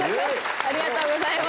ありがとうございます！